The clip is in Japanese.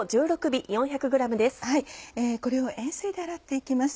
これを塩水で洗って行きます